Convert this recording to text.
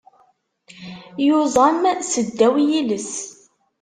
Yuẓam seddaw yiles.